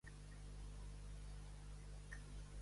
La última película de Sleeper fue "The Bells of St.